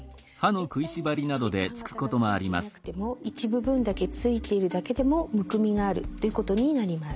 全体にくっきりと歯形がついていなくても一部分だけついているだけでもむくみがあるということになります。